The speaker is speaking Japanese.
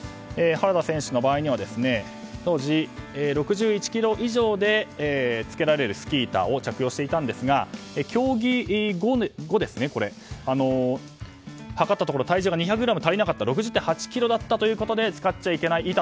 原田選手の場合には当時、６１ｋｇ以上でつけられるスキー板を着用していたんですが競技後、測ったところ体重が２００ｇ足りなかった６０．８ｋｇだったということで使っちゃいけない